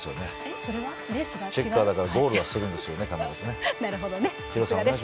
チェッカーだからゴールはするんです、必ず。